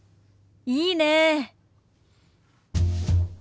いいねえ。